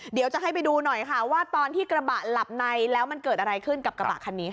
เดี๋ยวจะให้ไปดูหน่อยค่ะว่าตอนที่กระบะหลับในแล้วมันเกิดอะไรขึ้นกับกระบะคันนี้ค่ะ